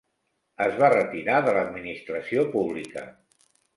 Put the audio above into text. Es va retirar de l'administració pública.